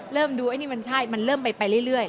ดูไอ้นี่มันใช่มันเริ่มไปเรื่อย